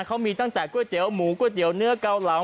เขามีตั้งแต่ก๋วยเตี๋ยวหมูก๋วยเตี๋ยเนื้อเกาเหลา